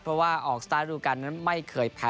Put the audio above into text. เพราะว่าออกสตาร์ทศ์ฤดูการนั้นไม่เคยพ้า